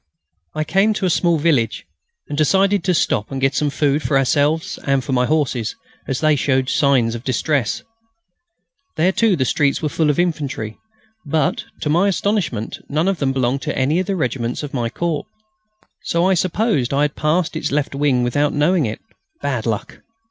I came to a small village, and decided to stop and get some food for ourselves and for my horses, as they showed signs of distress. There, too, the streets were full of infantry, but, to my astonishment, none of them belonged to any of the regiments of my Corps. So I supposed I had passed its left wing without knowing it. Bad luck!